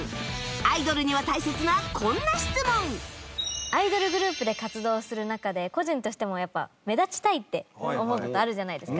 アイドルには大切なこんな質問アイドルグループで活動する中で個人としても目立ちたいって思う事あるじゃないですか。